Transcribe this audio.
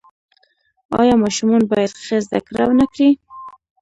آیا ماشومان باید ښه زده کړه ونکړي؟